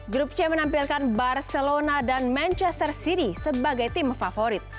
grup c menampilkan barcelona dan manchester city sebagai tim favorit